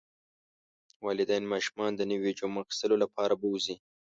والدین ماشومان د نویو جامو اخیستلو لپاره بوځي.